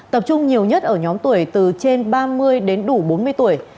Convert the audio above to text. tập trung nhiều nhất ở nhóm tuổi từ trên ba mươi đến đủ bốn mươi tuổi